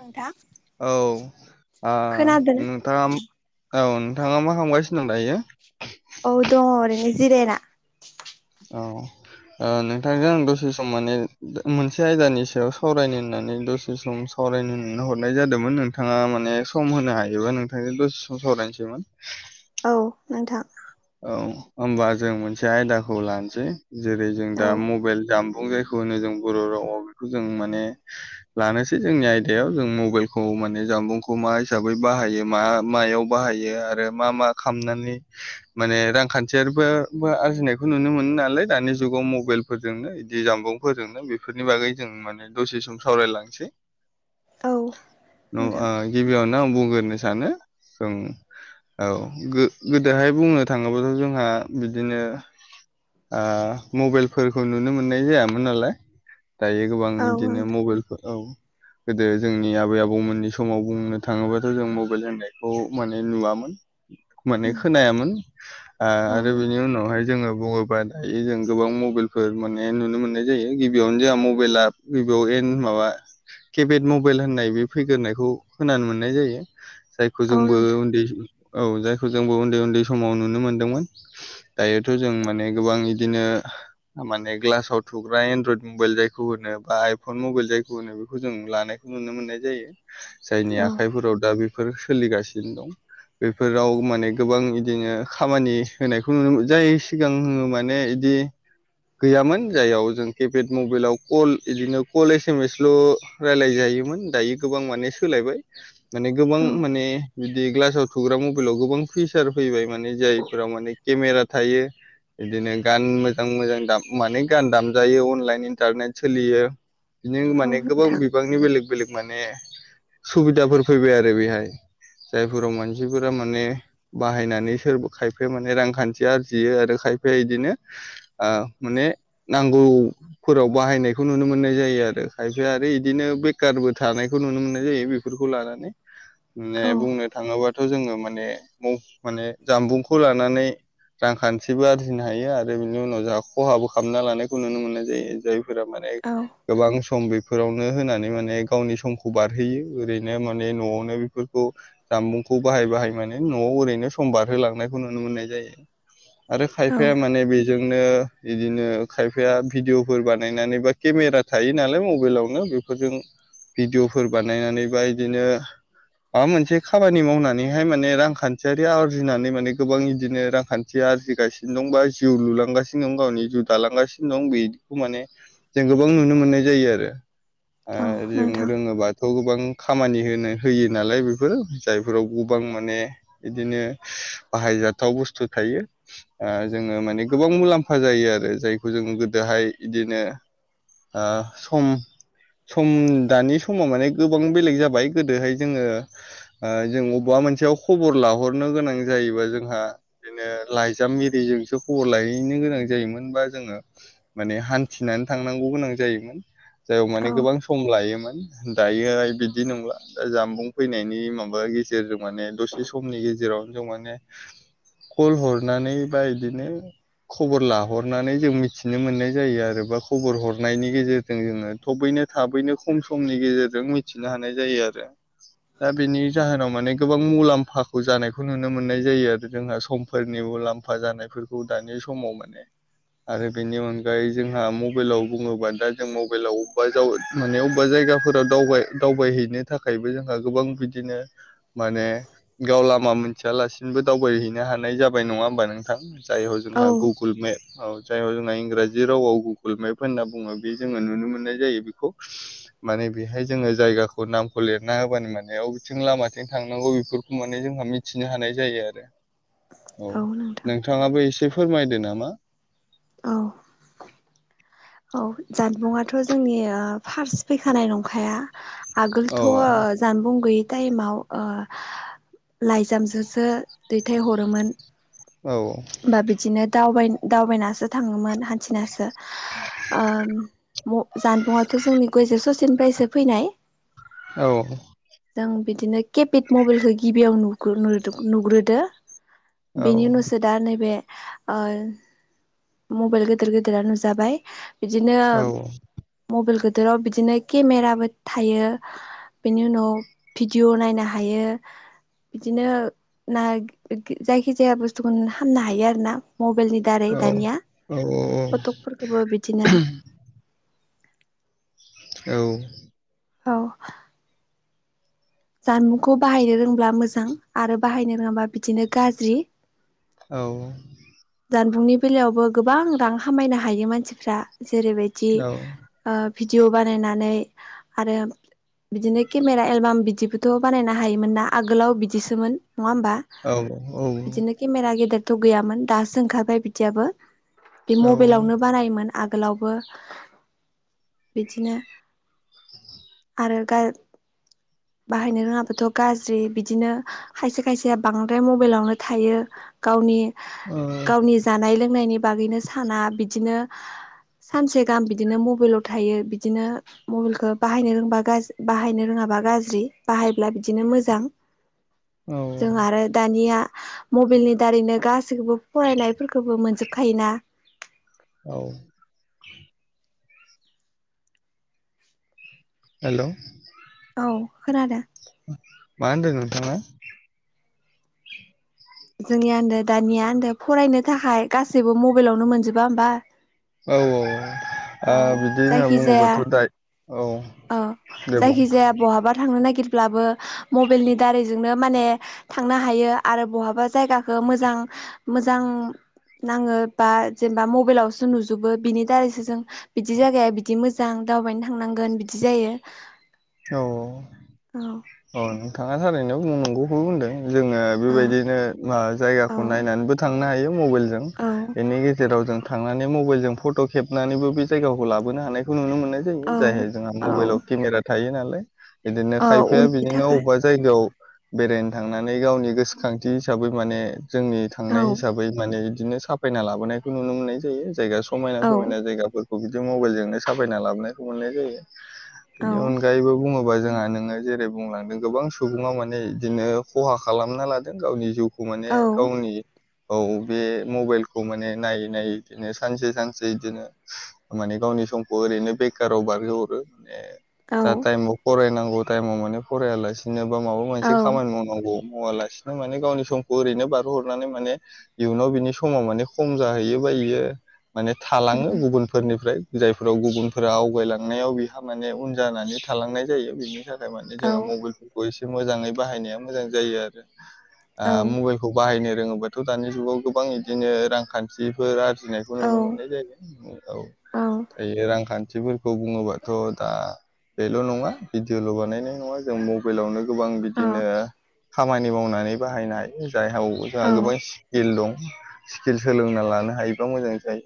नोंथां औ आ खोनादों नोंथाङा औ नोंथाङा मा खालामगासिनो दं दायो। औ दङ ओरैनो जिरायना। औ नोंथांजों आं दसे सम माने मोनसे आयदानि सायाव सावरायनो होननानै दसे सम सावरायनो होननानै हरनाय जादोंमोन नोंथाङा माने सम होनो हायोबा नोंथांजों दसे सम सावरायनोसैमोन। औ नोंथां औ होमबा जों मोनसे आयदाखौ लानोसै जेरै जों दा औ मबाइल जामबुं जायखौ जों बर' रावआव बेखौ जों माने लानोसै जोंनि आयदायाव जों मबाइलखौ माने जानबुं खौ मा हिसाबै बाहायो मा मायाव बाहायो आरो मा मा खालामनानै माने रांखान्थियारिबो आरजिनायखौ नुनो मोनो नालाय दानि जुगाव मबाइल फोरजोंनो दि जामबुंफोरजोंनो बेफोरनि बागै जों माने दसे सम सावरायलांसै औ नोंथां आ गिबियावनो आं बुंग्रोनो सानो जों औ गोदोहाय बुंनो थाङोब्लाथ' जोंहा बिदिनो मबाइलफोरखौ नुनो मोननाय जायामोन नालाय दायो गोबां औ बिदिनो नोंथां मबाइलफोर औ गोदो जोंनि आबै आबौमोननि समाव बुंनो थाङोबाथ' जों मबाइल होननायखौ माने नुवामोन माने खोनायामोन औ आरो नोंथां बिनि उनावहाय जोङो बुङोबा दायो जों गोबां मबाइलफोर माने नुनो मोननाय जायो गिबियावनो जोंहा मबाइलआ बेयहाव माबा केपेड मबाइल होननाय बे फैग्रोनायखौ खोनानो मोननाय जायो जायखौ जोंबो उन्दै औ जायखौ खौ जोंबो उन्दै-उन्दै समाव नुनो मोनदोंमोन दायोथ' जों माने गोबां बिदिनो माने ग्लासाव थुग्रा एनड्रयद मबाइल जायखौ होनो बा आइफन मबाइल जायखौ होनो बेखौ जों लानायखौ नुनो नुनो मोननाय जायो जायनि औ आखाइफोराव दा बेफोर सोलिगासिनो दं बेफोराव माने गोबां बिदिनो खामानि होनायखौ नुनो मोनो जाय सिगां माने बिदि गैयामोन जाययाव जों केपेड मबाइलाव कल बिदिनो कल एस एम एसल' रायज्लाय जायो जायोमोन दायो गोबां माने सोलायबाय माने गोबां औ माने बिदि ग्लासाव थुग्रा मबाइलाव गोबां फिसार फैबाय माने जायफोराव माने केमेरा थायो बिदिनो गान मोजां-मोजां दाम माने गान दामजायो अनलाइन इन्टारनेट सोलियो बिदिनो औ माने गोबां नोंथां बिबांनि बेलेग-बेलेग माने सुबिदाफोर फैबाय आरो बेहाय जायफोराव मानसिफोरा माने बाहायनानै सोरबा खायफाया माने रांखान्थि आरजियो आरो खायफाया बिदिनो माने नांगौफोराव बाहायनायखौ नुनो मोननाय जायो आरो खायफाया आरो बेदिनो बेखार फोरबो थानायखौ नुनो मोननाय जायो बेफोरखौ लानानै माने औ बुंनो थाङोबाथ' जोङो माने माने जामबुंखौ लानानै रांखान्थिबो आरजिनो हायो आरो बिनि उनाव जोंहा खहाबो खालामना लानायखौ नुनो मोननाय जायो जाय जायफोरा माने औ गोबां सम बेफोरावनो होनानै माने गावनि समखौ बारहोयो ओरैनो माने न'आवनो बेफोरखौ जामबुंखौ बाहाय-बाहाय माने न'आव ओरैनो सम बारहोलांनायखौ नुनो मोननाय जायो आरो औ खायफाया माने बेजों बिदिनो खायफाया भिडिअफोर बानायनानै बा केमेरा थायो नालाय मबाइलावनो बेफोरजों भिडिअफोर बानायनानै बा बिदिनो माबा मोनसे खामानि मावनानैहाय माने रां रांखान्थियारि आरजिनानै माने गोबां बिदिनो रांखान्थि आरजिगासिनो दंबा जिउ लुलांगासिनो दं गावनि जिउ दालांगासिनो दं बेखौ माने जों गोबां नुनो मोननाय जायो आरो औ जों नोंथां रोङोबाथ' गोबां खामानि होनो होयो नालाय बेफोरो जायफोराव गोबां माने बिदिनो बाहायजाथाव बुस्थु थायो जोङो माने गोबां मुलाम्फा जायो आरो जायखौ जोङो गोदो बेहाय बिदिनो ओ सम सम दानि समा माने गोबां बेलेग जाबाय गोदोहाय जोङो ओ जों बबेबा मोनसे खबर लाहरनो गोनां जायोबा जोंहा बिदिनो लाइजाम एरिजोंसो खबर लाहैनो गोनां जायोमोनबा जोङो माने हान्थिनानै थांगौ गोनां जायोमोन जाय माने औ गोबां सम लायोमोन दायोहाय बिदि नंलाा जामबुं फैनायनि माबा गेजेरजों माने दसे बे समनि गेजेरावनो जों माने कल हरनानै बा इदिनो खबर लाहरनानै जों मिथिनो मोननाय जायो आरो बा खबर हरनायनि गेजेरजों जोङो थबैनो नो थाबैनो खम समनि गेजेरजों मिथिनो हानाय जायो आरो। दा बेनि जाहोनाव माने गोबां मुलाम्फ फाखौ जानायखौ नुनो मोननाय जायो आरो जोंहा समफोरनिबो लाम्फा जानायफोरखौ दानि समाव माने। आरो बेनि अनगायै जोंहा मबाइलाव बुङोबा दा जों मबाइलाव अबेबा ज माने अबेबा जाय जायाावाव दावबाय दावबायहैनो थाखायबो जोंहा गोबां बिदिनो माने गाव लामा मोनथियालासिनोबो दावबायहैनो हानाय जाबाय नङा होमबा नोंथां? जाय ह औ जोंहा गुगोल मेप जाय जोंहा इंराजि रावाव गुगोल मेप होनना बुङो बे जोङो नुनो मोननाय जायो बेखौ माने बेहाय जोङो जायगाखौ नामखौ लिरना होबानो माने बबेथिं लामाथिं थांनांगौ बे खौ माने जोंहा मिथिनो हानाय जायो आरो औ नोंथाङाबो एसे फोरमायदो नामा। औ। औ जानबुंआथ' जोंनि फार्स्ट फैखानाय नंखाया। आगोलथ' औ जामबुं गोय थाइमाव ओ लाइजामजोसो दैथायहरोमोन औ। बा बिदिनो दावबाय दावबायनासो थाङोमोन हान्थिनासो ओम म जानबुंआथ' जोंनि गयजे ससेनिफ्रायसो फैनाय औ। जों बिदिनो केपेड मबाइलखौ गिबियाव नु नुग्रो नुग्रोदो औ। बेनि उनावसो दा नैबे ओ मबाइल गेदिर गेदिरा नुजाबाय। बिदिनो औ मबाइल गोदोराव बिदिनो केमेराबो थायो। बेनि उनाव भिडिअ नायनो हायो बिदिनो ना जायखि जाया बुस्थुखौ खामनो हायो आरो ना? मबाइलनि दारै औ दानिया औ फटकफोरखौबो बिदिनो औ। औ। जानबुंखौ बाहायनो रोंब्ला मोजां आरो बाहायनो रोङाबा बिदिनो गाज्रि। औ। जानबुंनि बेलायावबो गोबां रां खामायनो हायो मानसिफ्रा जेरैबायदि ओ भिडिअ बानायनानै आरो बिदिनो केमेरा एलबाम बिदिबोथ' बानायनो हायोमोन ना आगोलाव बिदिसोमोन। नङा होमबा? औ बिदिनो केमेरा गेदेरथ' गैयामोन दासो ओंखारबाय बिदियाबो। बे औ औ मबाइलावनो बानायोमोन। आगोलावबो बिदिनो आरो गा बाहायनो रोङाब्लाथ' गाज्रि बिदिनो खायसे खायसेया बांद्राय मबाइलावनो थायो। गावनि गावनि जानाय लोंनायनि बागैनो साना बिदिनो सानसे गाहाम बिदिनो मबाइलाव थायो बिदिनो मबाइलखौ बाहायनो रोंङबा गाज बाहायनो रोङाबा गाज्रि ग्रि बाहायब्ला बिदिनो मोजां जों आरो दानिया मबाइलनि दारैनो गासैखौबो फरायनायफोरखौबो मोनजोबखायोना। औ। हेलौ औ खोनादों। मा होनदों नोंथाङा? जोंनि आन्दो दानिया आन्दो फरायनो थाखाय गासैबो मबाइलावनो मोनजोबा होमबा? औ औ औ औ ओ बिदि होनना जायखि जाया बुङोबथ' द्राय औ जायखिजाया बहाबा थांनो नागिर ब्लाबो मबेलनि दारैजोंनो माने थांनो हायो आरो बहाबा जायगाखौ मोजां मोजां नाङो बा जेनेबा मबाइलावसो नुजोबो बिनि दारैसो जों बिदि जागाया बिदि मोजां दावबायनो थांनांगोन बिदि जायो। औ औ औ नोंथाङा [inaudible] नंगौखौ बुंदों। जोङो औ बेबायदिनो मा जायगाखौ औ नायनानैबो थांनो हायो। मबाइलजों औ बेनि गेजेराव जों थांनानै मबेइलजों फट' खेबनानैबो बे जायगाखौ लाबोनो हानायखौ नुनो मोन [unintelligible] जायो औ जायहा जोंहा मबाइलाव औ केमेरा थायो नालाय। बिदिनो औ खायफाया उननि बिदिनो थाखाय अबबा जायगायाव बेरायनो थांनानै गावनि गोसोखांथि हिसाबै माने जोंनि औ थांनाय हिसाबै माने बिदिनो साफायना लाबोनायखौ नुनो मोननाय जायो जायगा समायना औ समायना जायगाफोर खौ बिदि मबेइलजोंनो साफायना लाबोनायखौ मोननाय जायो औ बेनि अनगायैबो बुङोबा जोंहा नोङो जेरै बुंलांदों गोबां सुबुङाव माने बिदिनो खहा खालामना लादों गावनि जिउखौ माने औ [unintelligible] गावनि औ बे मबेइलखौ माने नायै नायै बिदिनो सानसे सानसे बिदिनो माने गाव नि समखौ ओरैनो बेखाराव बारहोहरो [unintelligible] औ जा टाइमाव फरायनांगौ टाइमाव माने फरायालासिनो बा माबा मोनसे खामानि मावनांगौ मावालासिनो माने गावनि समखौ ओरैनो बारहोहरनानै माने इयुनाव बिनि समाव माने खम जाहैयो। [unintelligible] माने थालाङो उम गुबुनफोरनिफ्राय जायफोराव गुबुनफोरा आवगायलांनायाव बिहा माने उन जानानै थालांनाय जायो बिनि थाखाय माने औ जोङो मबेइलफोरखौ एसे मोजाङै बाहायनाया मोजां जायो आरो। ओ औ मबाइलखौ बाहायनो रोङोबाथ' दानि जुगाव गोबां इदिनो रांखान्थिफोर आर जिनायखौ औ अ नुनो मोननाय जायो औ दायो रांखान्थि खौ बुङोबाथ' दा बेल' नङा भिडिअ'ल' बानायनाय नङा जों [unintelligible] मबेइलावनो गोबां बिदिनो औ खामानि मावनानै बाहायनो हायो। जायहाव जायहा गोबां स्किल दं स्किल सोलोंना लानो हायोबा मोजां जायो।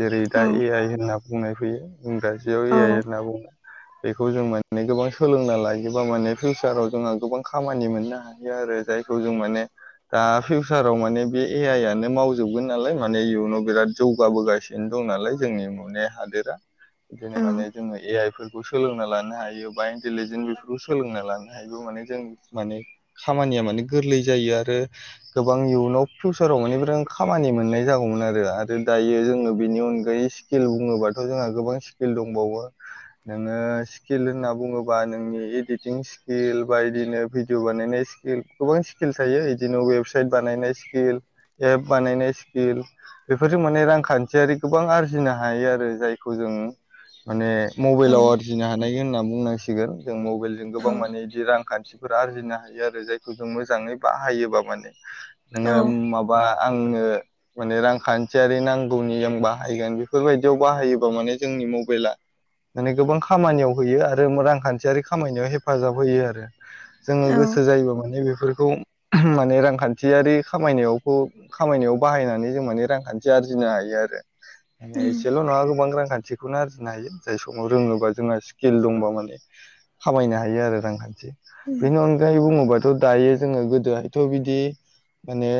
जेरै दा ए आइ होनना बुंनाय फैयो इंराजियाव ए औ आइ औ होनना बुङो। बेखौ जों माने गोबां सोलोंना लायोबा माने फिउसाराव जोंहा गोबां खामानि मोननो हायो [unintelligible] [unintelligible] जायखौ जों माने दा फिउसाराव माने बे ए आइ आनो मावजोबगोन नालाय माने इयुनाव बिराद जौगाबोगासिनो दं दं नालाय जोंनि माने हादोरा। बिदिनो औ माने जोङो ए आइफोरखौ सोलोंना लानो हायोबा इन्टलिजेन्ट बेफोरखौ सोलोंना लानो हायोबा माने जों माने खामानिया माने गोरलै जायो आरो गोबां इयुनाव फिउचा [unintelligible] माने गोबां खामानि मोननाय जागौमोन आरो आरो दायो जोङो बेनि अनगायै स्किल बुङोबाथ' जोंहा गोबां स्किल दंबावो। नोङो स्किल होनना बुङोब्ला नोंनि एडिटिं स्किल बायदिनो भिडिअ बानायनाय स्किल गोबां स्किल थायो इदिनो वेबसाइट बानायनाय स्किल, एप बानायनाय स्किल बेफोरजों माने रांखान्थियारि गोबां आरजिनो हायो आरो जायखौ जों माने औ मबेइलाव आरजिनो हानाय होनना बुंनांसिगोन जों मबाइलजों गोबां औ माने बिदि रांखा थिफोर आरजिनो हायो आरो जायखौ जों मोजाङै बाहायोबा माने औ नोङो माबा आंनो माने रांखान्थियारि नांगौनि आं बाहायगोन बेफोरबायदियाव बाहायोबा माने जों नि मबेइला माने गोबां खामानियाव होयो आरो रांखान्थियारि खामायनायाव हेफाजाब होयो आरो जोङो औ गोसो जायोबा माने बेफोरखौ माने रांखान्थियारि खामायनायावखौ खामायनायाव बाहायनानै जों माने रांखान्थि आरजिनो हायो आरो माने उम एसेल' नङा गोबां रांखान्थिखौनो आरजिनो हायो। जाय समाव रोङोबा जोंना स्किल दंबा माने खामायनो हायो आरो रांखान्थि। उम बेनि अनगायै बुङोबाथ' दायो जोङो गोदोहायथ' बिदि माने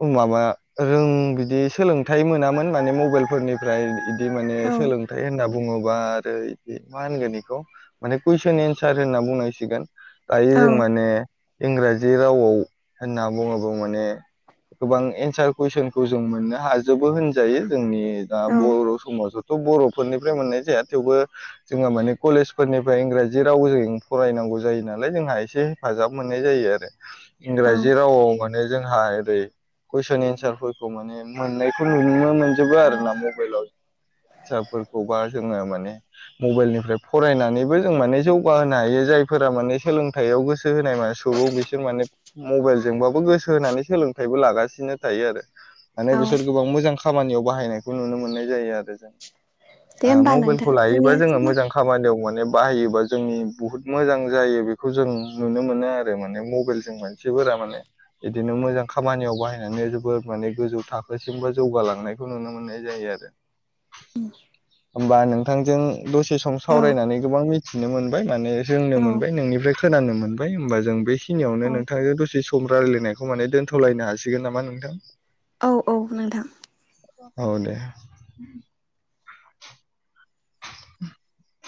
ओ माबा रों बिदि सोलोंथाइ मोनामोन माने मबेइलफोरनिफ्राय [unintelligible] माने औ सोलों होनना बुङोबा आरो इदि मा होनगोन बेखौ माने कुइसन एन्सार होनना बुंनांसिगोन। दायो औ जों माने इंराजि रावआव होनना बुङोबा माने गोबां एन्सार कुइसनखौ जों मोननो हाजोबो होनजायो जोंनि दा औ बर' समाजथ' बर' फोरनिफ्राय मोननाय जाया थेवबो जोङो माने कलेजफोरनिफ्राय इंराजि रावजों फरायनांगौ जायो ना [unintelligible] जोंहा एसे हेफाजाब मोननाय जायो आरो औ इंराजि रावआव [unintelligible] जोंहा ओरै कुइनस एन्सारफोरखौ माने मोननायखौ नुनो मोन जोबो आरोना मबाइलाव [unintelligible] खौबा जोङो माने मबाइलनिफ्राय फरायनानैबो जों माने जौगाहोनो हायो। जायफोरा माने सोलोंथायाव गोसो होनाय मान सुबुं बिसोर माने मबाइलजोंबाबो गोसो होनानै सोलोंथायबो लागासिनो ओ थायो आरो। माने औ बिसोर गोबां मोजां खामानियाव बाहायनायखौ नुनो मोननाय जायो आरो जों। दे आ होमबा नोंथां मबाइलखौ लायोबा जोंनिया जोङो समा मोजां खामानियाव माने बाहायोबा जोंनि बुहुद मोजां जायो। बेखौ जों नुनो मोनो आरो माने मबाइलजों मानसिफोरा था माने इदिनो मोजां खामानियाव बाहायनानै जोबोद माने गोजौ थाखोसिम बा जौगालांनायखौ नुनो मोन मोननाय जायो आरो। उम होमबा नोंथांजों दसे सम सावरायनानै गोबां मिथिनो मोनबाय। माने रोंनो औ मोनबाय नोंनिफ्राय खो खोनानो मोनबाय होमबा जों औ बेखिनियावनो नोंथांजों दसे सम रायज्लायनायखौ माने दोनथ'लायनो हासिगोन नामा नोंथां? औ औ नोंथां। औ दे। [inaudible]